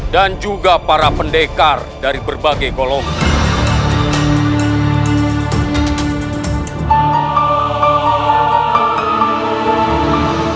dan juga para pendekar dari berbagai golongan